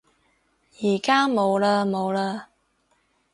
而家冇嘞冇嘞